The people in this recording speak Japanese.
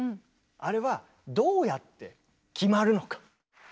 あれはどうやって決まるのか。